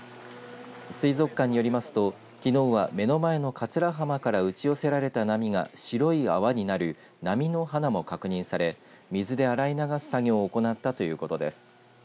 水族館によりますときのうは、目の前の桂浜から打ち寄せられた波が白い泡になる波の花も確認され水で洗い流す作業を行ったということです。